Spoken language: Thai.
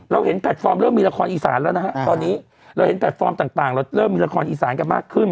เห็นแพลตฟอร์มเริ่มมีละครอีสานแล้วนะฮะตอนนี้เราเห็นแพลตฟอร์มต่างเราเริ่มมีละครอีสานกันมากขึ้น